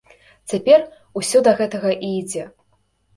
Цяпер усё да гэтага і ідзе.